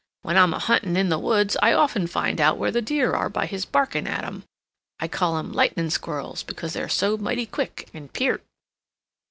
When I'm huntin' in the woods, I often find out where the deer are by his barkin' at 'em. I call 'em Lightnin' Squirrels, because they're so mighty quick and peert."